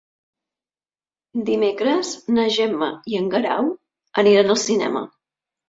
Dimecres na Gemma i en Guerau aniran al cinema.